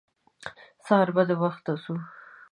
سهار به د وخته ځو.